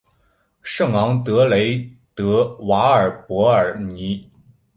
圣昂德雷德瓦尔博尔尼。